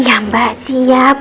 ya mbak siap